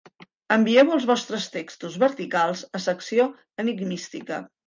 Envieu els vostres textos verticals a Secció Enigmística.